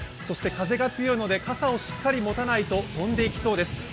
そして風が強いので傘をしっかり持たないと飛んでいきそうです。